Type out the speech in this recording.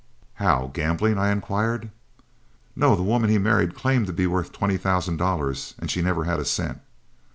"How, gambling?" I inquired. "No. The woman he married claimed to be worth twenty thousand dollars and she never had a cent.